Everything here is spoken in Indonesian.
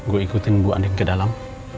gue ikutin bu anding ke dalam